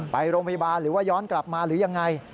ไปโรงพยาบาลหรือว่าย้อนกลับมาหรือยังไง